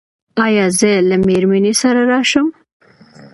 ایا زه له میرمنې سره راشم؟